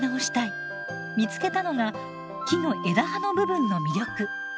見つけたのが木の枝葉の部分の魅力。